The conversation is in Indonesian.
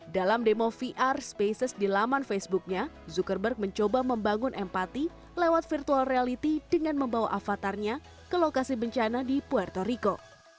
dalam demo vr spaces di laman facebooknya zuckerberg mencoba membangun empati lewat virtual reality dengan membawa avatarnya ke lokasi bencana di puertorico